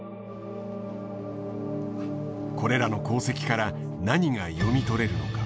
これらの航跡から何が読み取れるのか。